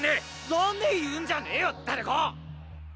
ザネ言うんじゃねえよダネコ！